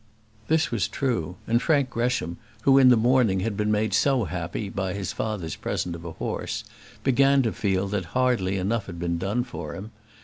This was true, and Frank Gresham, who in the morning had been made so happy by his father's present of a horse, began to feel that hardly enough had been done for him.